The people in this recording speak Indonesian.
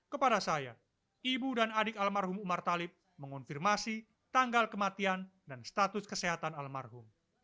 kepada saya ibu dan adik almarhum umar talib mengonfirmasi tanggal kematian dan status kesehatan almarhum